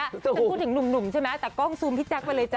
คุณว่าจะพูดถึงหนุ่มใช่ไม่ยังแต่กล้องซูมพี่แจ๊แก้ลไปเลยจ๊ะ